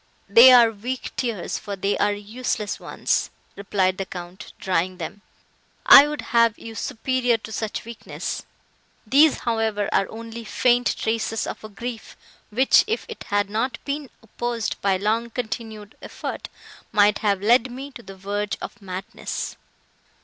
"They are weak tears, for they are useless ones," replied the Count, drying them, "I would have you superior to such weakness. These, however, are only faint traces of a grief, which, if it had not been opposed by long continued effort, might have led me to the verge of madness!